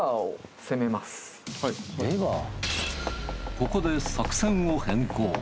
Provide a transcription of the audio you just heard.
ここで作戦を変更。